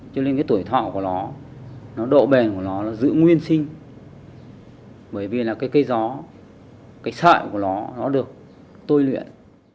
cho nên cái tuổi thọ của nó độ bền của nó nó giữ nguyên sinh bởi vì là cái cây gió cái sợi của nó nó được tôi luyện